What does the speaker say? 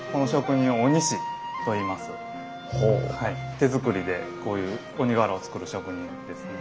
手づくりでこういう鬼瓦をつくる職人ですね。